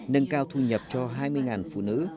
nâng cao thu nhập cho hai mươi người